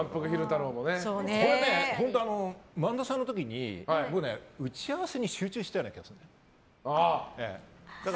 本当、萬田さんの時に僕ね、打ち合わせに集中していた気がするの。